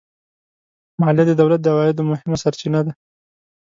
مالیه د دولت د عوایدو مهمه سرچینه ده